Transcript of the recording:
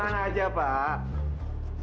tenang aja pak